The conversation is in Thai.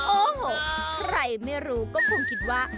โอ้โหใครไม่รู้ก็คงคิดว่า